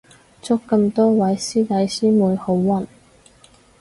祝咁多位師弟師妹好運